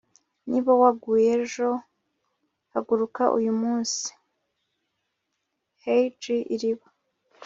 niba waguye ejo, haguruka uyu munsi. - h. g. iriba